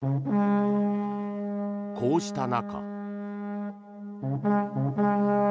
こうした中。